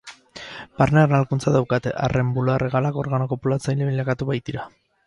Barne ernalkuntza daukate, arren bular-hegalak organo kopulatzaile bilakatu baitira.